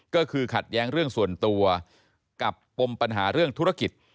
ก็คือขัดแย้งเรื่องส่วนตัวกับปมปัญหาเรื่องธุรกิจ